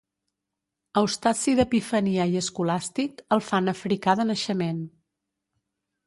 Eustaci d'Epifania i Escolàstic el fan africà de naixement.